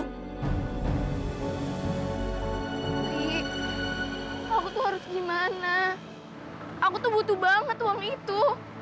tapi aku tuh harus gimana aku tuh butuh banget uang itu